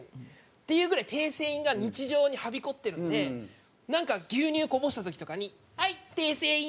っていうぐらい訂正印が日常にはびこってるのでなんか牛乳こぼした時とかに「ハイ訂正印！」